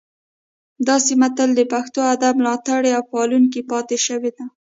دا سیمه تل د پښتو ادب ملاتړې او پالونکې پاتې شوې ده